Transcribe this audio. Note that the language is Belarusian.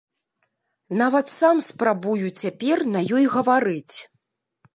Нават сам спрабую цяпер на ёй гаварыць!